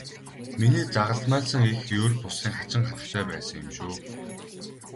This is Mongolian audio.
Миний загалмайлсан эх ер бусын хачин хатагтай байсан юм шүү.